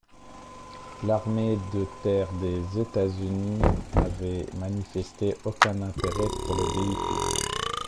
L'armée de terre des États-Unis n'avait manifesté aucun intérêt pour le véhicule.